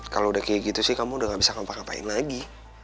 kalau udah kayak gitu sih kamu udah gak bisa ngampah ngapain lagi